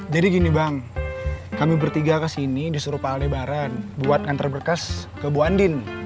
jadi gini bang kami bertiga kesini disuruh pak aldebaran buat ngantre berkes ke bu andin